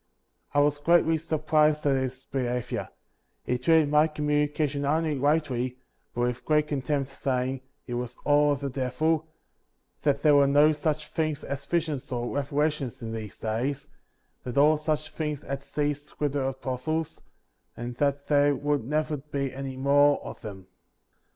I was greatly surprised at his behavior; he treated my communication not only lightly, but with great contempt, saying, it was all of the devil, that there were no such things as visions or revelations in these days; that all such things had ceased with the apos tles, and that there would never be any more of them.